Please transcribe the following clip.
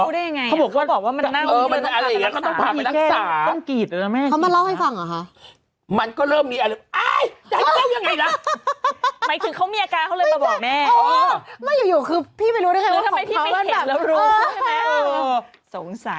ดาราก็จะคนหนึ่งแล้วแบบว่า